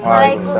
wah ini ada